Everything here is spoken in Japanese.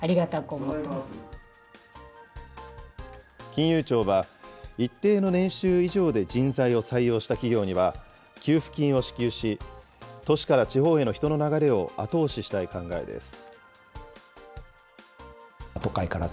金融庁は、一定の年収以上で人材を採用した企業には給付金を支給し、都市から地方への人の流れを後押ししたい考えです。